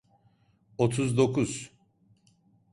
Otuz dokuz.